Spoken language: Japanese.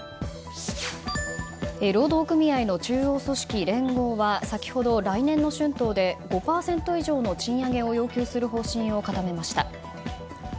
労働組合の中央組織、連合は先ほど、来年の春闘で５％以上の賃上げを要求する方針を固めました。